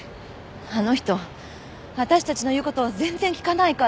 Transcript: あの人私たちの言う事を全然聞かないから。